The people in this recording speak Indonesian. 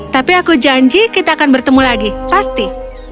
tapi aku janji kita akan bertemu lagi pasti